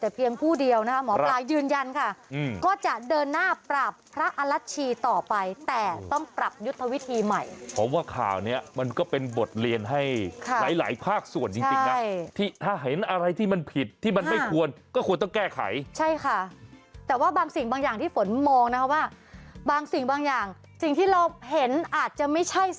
แต่เพียงผู้เดียวนะคะหมอปลายืนยันค่ะก็จะเดินหน้าปราบพระอรัชชีต่อไปแต่ต้องปรับยุทธวิธีใหม่เพราะว่าข่าวเนี้ยมันก็เป็นบทเรียนให้หลายหลายภาคส่วนจริงนะที่ถ้าเห็นอะไรที่มันผิดที่มันไม่ควรก็ควรต้องแก้ไขใช่ค่ะแต่ว่าบางสิ่งบางอย่างที่ฝนมองนะคะว่าบางสิ่งบางอย่างสิ่งที่เราเห็นอาจจะไม่ใช่ส